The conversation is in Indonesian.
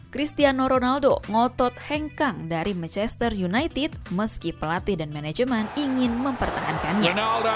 cristiano ronaldo ngotot hengkang dari manchester united meski pelatih dan manajemen ingin mempertahankannya